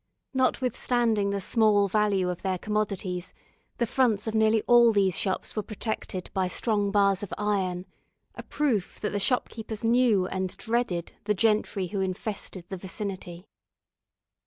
Notwithstanding the small value of their commodities, the fronts of nearly all these shops were protected by strong bars of iron, a proof that the shopkeepers knew and dreaded the gentry who infested the vicinity.